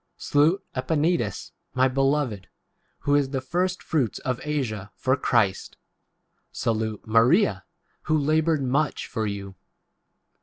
Salute Epaenetus, my beloved, who is [the] first fruits of Asia 11 for Christ. 6 Salute Maria, who laboured much 7 for you.